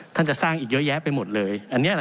จะสร้างอีกเยอะแยะไปหมดเลย